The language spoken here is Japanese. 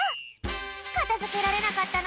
かたづけられなかったのは３つ。